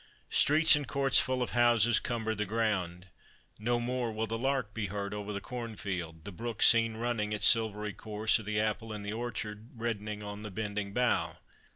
Streets and courts full of houses cumber the ground. No more will the lark be heard over the cornfield the brook seen running its silvery course or the apple in the orchard reddening on the bending bough.